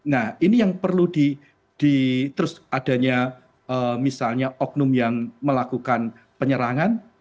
nah ini yang perlu di terus adanya misalnya oknum yang melakukan penyerangan